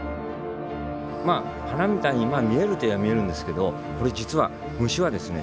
まあ花みたいに見えるといや見えるんですけどこれ実は虫はですね